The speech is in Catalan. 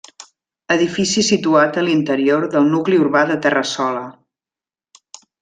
Edifici situat a l'interior del nucli urbà de Terrassola.